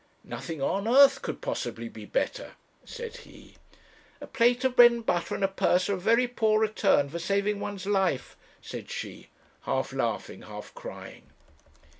'Nothing on earth could possibly be better,' said he. 'A plate of bread and butter and a purse are a very poor return for saving one's life,' said she, half laughing, half crying.